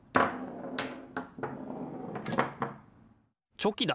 チョキだ！